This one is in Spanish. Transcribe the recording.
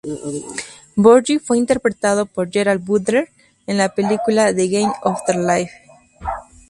Borghi fue interpretado por Gerard Butler en la película "The Game of Their Lives".